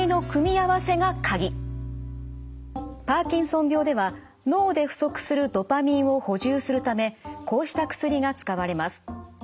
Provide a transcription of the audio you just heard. パーキンソン病では脳で不足するドパミンを補充するためこうした薬が使われます。